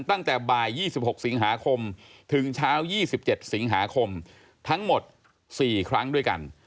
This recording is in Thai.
ตั้งแต่บ่าย๒๖สิงหาคมถึงเช้า๒๗สิงหาคมทั้งหมด๔ครั้งด้วยกัน